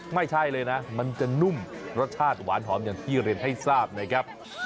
ไม่ใช่เลยนะมันจะนุ่มรสชาติหวานหอมอย่างที่เรียนให้ทราบนะครับ